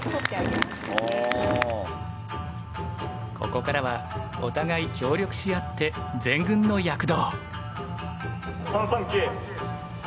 ここからはお互い協力し合って全軍の躍動。